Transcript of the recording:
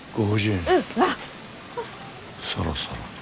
そろそろ。